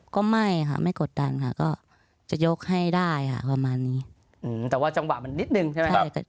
ก็ไม่ค่ะไม่กดดันค่ะก็จะยกให้ได้ค่ะประมาณนี้แต่ว่าจังหวะมันนิดนึงใช่ไหม